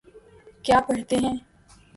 کیا پڑھتے ہیں